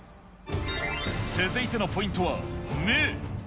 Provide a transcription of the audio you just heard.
続いてのポイントは、目。